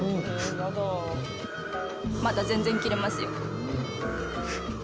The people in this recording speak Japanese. まだ全然着れますよ。